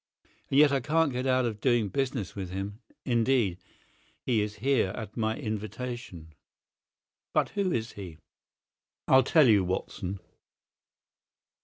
And yet I can't get out of doing business with him—indeed, he is here at my invitation." "But who is he?" "I'll tell you, Watson.